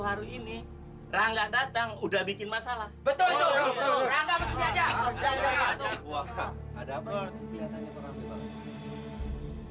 hari ini rangga datang udah bikin masalah betul betul ada apa apa